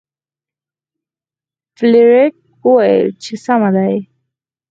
فلیریک وویل چې سمه ده.